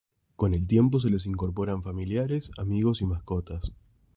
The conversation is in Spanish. Con el tiempo se les incorporan familiares, amigos y mascotas.